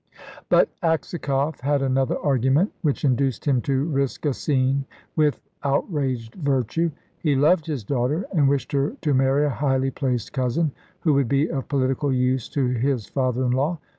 But Aksakoff had another argument which induced him to risk a scene with outraged virtue. He loved his daughter, and wished her to marry a highly placed cousin, who would be of political use to his father in law.